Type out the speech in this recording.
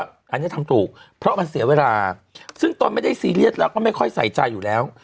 อันนี้ทำถูกเพราะมันเสียเวลาซึ่งตนไม่ได้ซีเรียสแล้วก็ไม่ค่อยใส่ใจอยู่แล้ว